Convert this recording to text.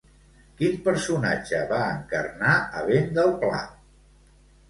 Quin personatge va encarnar a Ventdelplà?